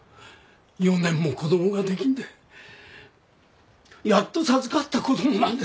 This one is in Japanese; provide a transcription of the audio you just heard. ４年も子供ができんでやっと授かった子供なんですよ。